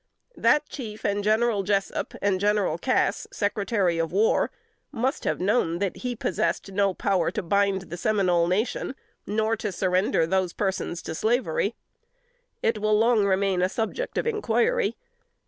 That chief and General Jessup and General Cass, Secretary of War, must have known he possessed no power to bind the Seminole Nation, nor to surrender those persons to slavery. It will long remain a subject of inquiry.